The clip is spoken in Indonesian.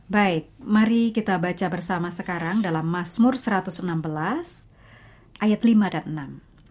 baik mari kita baca bersama sekarang dalam masmur satu ratus enam belas ayat lima dan enam